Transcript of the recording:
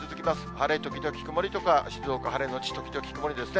晴れ時々曇りとか、静岡晴れ後時々曇りですね。